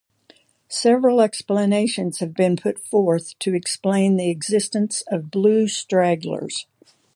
Several explanations have been put forth to explain the existence of blue stragglers.